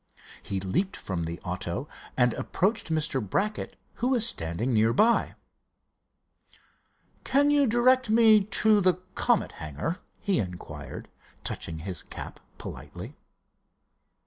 He leaped from the auto and approached Mr. Brackett, who was standing near by. "Can you direct me to the Comet hangar?" he inquired, touching his cap politely.